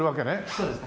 そうです